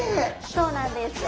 そうなんです。